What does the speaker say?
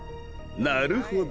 なるほど。